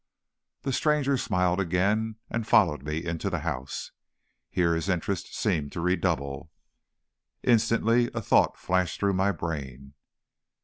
The stranger smiled again, and followed me into the house. Here his interest seemed to redouble. Instantly a thought flashed through my brain.